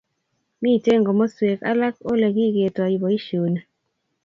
Mitei komoswek alak Ole kiketoi boisioni